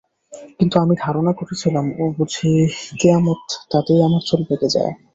কিন্তু আমি ধারণা করেছিলাম, এ বুঝি কিয়ামত তাতেই আমার চুল পেকে যায়।